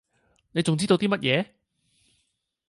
你仲知道啲乜野？